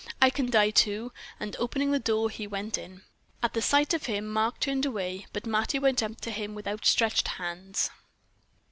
I can die too!" and opening the door he went in. At the sight of him Mark turned away, but Mattie went up to him with outstretched hands.